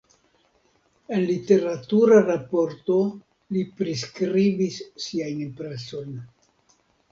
En literatura raporto li priskribis siajn impresojn.